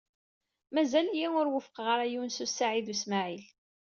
Mazal-iyi ur wufqeɣ ara Yunes u Saɛid u Smaɛil.